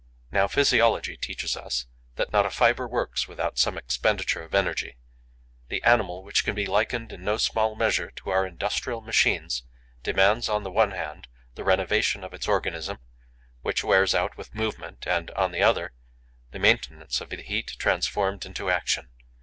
Now physiology teaches us that not a fibre works without some expenditure of energy. The animal, which can be likened, in no small measure, to our industrial machines, demands, on the one hand, the renovation of its organism, which wears out with movement, and, on the other, the maintenance of the heat transformed into action.